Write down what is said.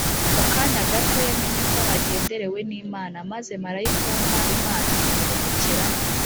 . Mu kanya gato yamenye ko agenderewe n’Imana. Maze marayika w’Umwami Imana amubonekera